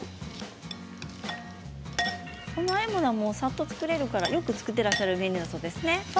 このあえ物はさっと作れるから、よく作っていらっしゃるようですね。